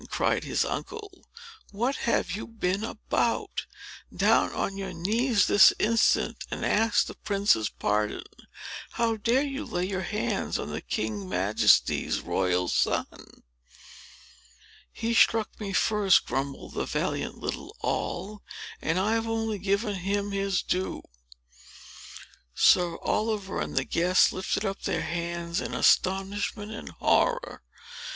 cried his uncle. "What have you been about? Down on your knees, this instant, and ask the prince's pardon. How dare you lay your hands on the king's Majesty's royal son?" "He struck me first," grumbled the valiant little Noll; "and I've only given him his due." Sir Oliver and the guests lifted up their hands in astonishment and horror.